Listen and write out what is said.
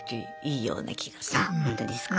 あほんとですか。